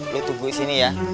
lu tunggu disini ya